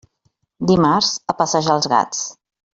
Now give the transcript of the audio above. Dimarts, a passejar els gats.